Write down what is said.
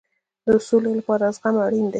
د سولې لپاره زغم اړین دی